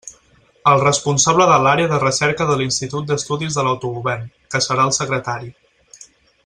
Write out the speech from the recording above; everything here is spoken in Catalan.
El responsable de l'Àrea de Recerca de l'Institut d'Estudis de l'Autogovern, que serà el secretari.